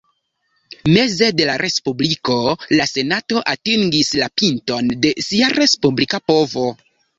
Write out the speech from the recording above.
Meze de la Respubliko, la Senato atingis la pinton de sia respublika povo.